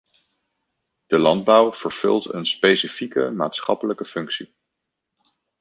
De landbouw vervult een specifieke maatschappelijke functie.